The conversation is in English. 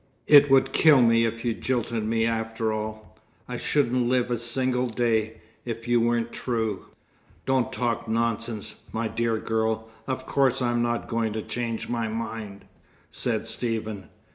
It would kill me if you jilted me after all. I shouldn't live a single day, if you weren't true." "Don't talk nonsense, my dear girl. Of course I'm not going to change my mind," said Stephen.